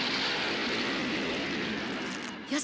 よし！